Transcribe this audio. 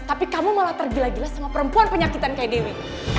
tapi kamu malah tergila gila sama perempuan penyakitan kayak dewi